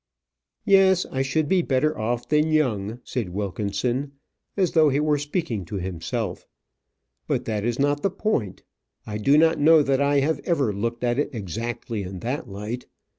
"Yes, I should be better off than Young," said Wilkinson, as though he were speaking to himself. "But that is not the point. I do not know that I have ever looked at it exactly in that light.